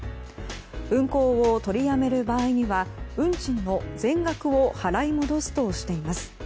運行を取りやめる場合には運賃の全額を払い戻すとしています。